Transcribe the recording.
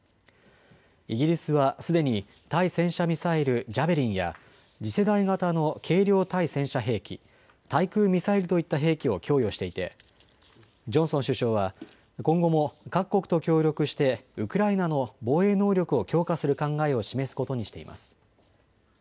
イギリスはすでに対戦車ミサイル、ジャベリンや次世代型の軽量対戦車兵器、対空ミサイルといった兵器を供与していてジョンソン首相は今後も各国と協力してウクライナの防衛能力を強化する考えを示すことにしています。